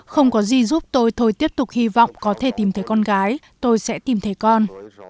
không có gì giúp tôi thôi tiếp tục hy vọng có thể tìm thấy con gái tôi sẽ tìm thấy con